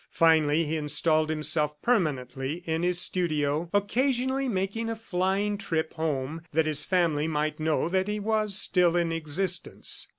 Finally he installed himself permanently in his studio, occasionally making a flying trip home that his family might know that he was still in existence.